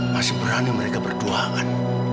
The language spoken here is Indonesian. masih berani mereka berduaan